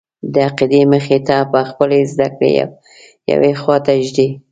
د عقیدې مخې ته به خپلې زده کړې یوې خواته ږدې.